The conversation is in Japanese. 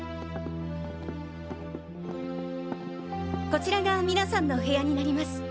こちらが皆さんのお部屋になります。